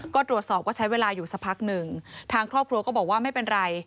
ก็ตรวจสอบว่าใช้เวลาอยู่สักพักหนึ่งทางครอบครัวก็บอกว่าไม่เป็นไร